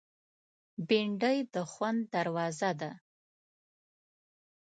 بېنډۍ د خوند دروازه ده